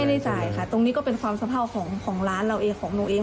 จ่ายค่ะตรงนี้ก็เป็นความสะเภาของร้านเราเองของหนูเอง